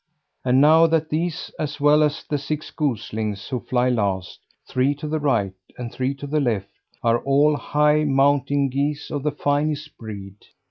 And know that these, as well as the six goslings who fly last three to the right, and three to the left are all high mountain geese of the finest breed!